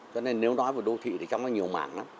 cho nên nếu nói về đô thị thì trong nó nhiều mảng lắm